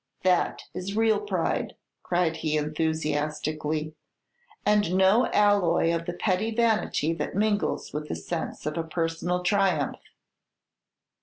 That is real pride," cried he, enthusiastically, "and has no alloy of the petty vanity that mingles with the sense of a personal triumph."